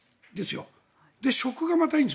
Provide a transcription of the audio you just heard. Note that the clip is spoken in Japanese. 食がまたいいんです。